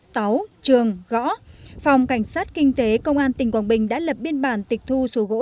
táu trường gõ phòng cảnh sát kinh tế công an tỉnh quảng bình đã lập biên bản tịch thu số gỗ